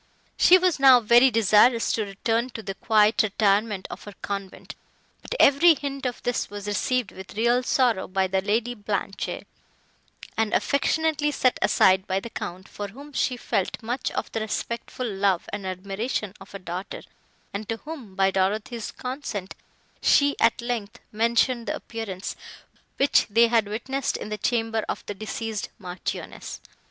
She was now very desirous to return to the quiet retirement of her convent, but every hint of this was received with real sorrow by the Lady Blanche, and affectionately set aside by the Count, for whom she felt much of the respectful love and admiration of a daughter, and to whom, by Dorothée's consent, she, at length, mentioned the appearance, which they had witnessed in the chamber of the deceased Marchioness.